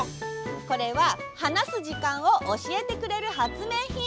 これははなすじかんをおしえてくれるはつめいひん。